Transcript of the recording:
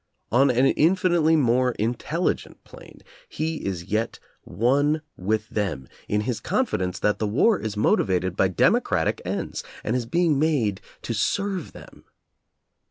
On an In finitely more intelligent plane, he is yet one with them in his confidence that the war is motivated by democratic ends and is being made to serve them.